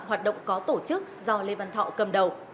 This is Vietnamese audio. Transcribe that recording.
hoạt động có tổ chức do lê văn thọ cầm đầu